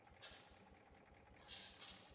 Alisema hayo kwa shirika la habari la Reuta